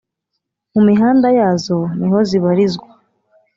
mumihanda yazo niho zibarizwa